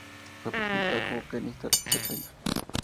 Fue presentada como pianista a los seis años.